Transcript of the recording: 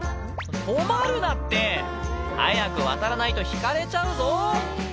止まるなって、早く渡らないとひかれちゃうぞ。